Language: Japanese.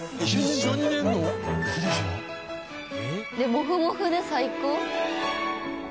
モフモフで最高？